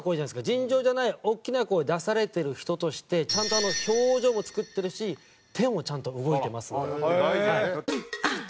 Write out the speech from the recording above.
尋常じゃない大きな声出されてる人としてちゃんと表情も作ってるし手もちゃんと動いてますので。